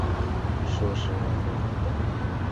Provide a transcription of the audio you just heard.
数十年的等待